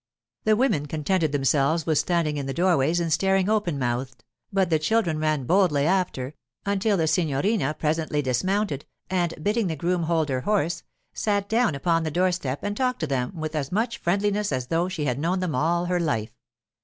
The women contented themselves with standing in the doorways and staring open mouthed, but the children ran boldly after, until the signorina presently dismounted and bidding the groom hold her horse, sat down upon a door step and talked to them with as much friendliness as though she had known them all her life.